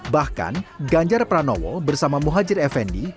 bahkan ganjar pranowo bersama muhajir effendi